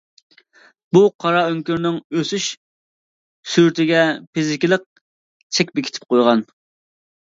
بۇ قارا ئۆڭكۈرنىڭ ئۆسۈش سۈرئىتىگە فىزىكىلىق چەك بېكىتىپ قويغان.